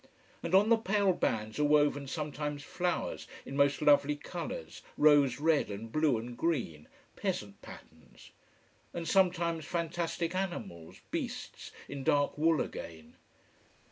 And on the pale bands are woven sometimes flowers in most lovely colours, rose red and blue and green, peasant patterns and sometimes fantastic animals, beasts, in dark wool again.